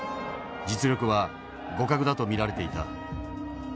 実力は互角だと見られていた。